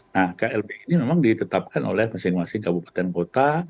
nah klb ini memang ditetapkan oleh masing masing kabupaten kota